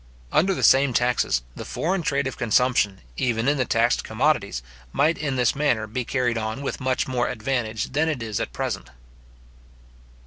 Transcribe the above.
Under the same taxes, the foreign trade of consumption, even in the taxed commodities, might in this manner be carried on with much more advantage than it is at present.